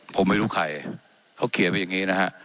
ผมไม่รู้ใครเขาเขียนไว้อย่างนี้นะฮะ